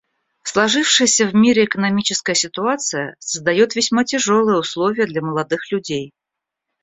Сложившаяся в мире экономическая ситуация создает весьма тяжелые условия для молодых людей.